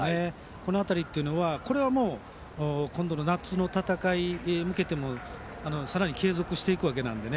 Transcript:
この辺りは今度の夏の戦いへ向けてもさらに継続していくわけなので。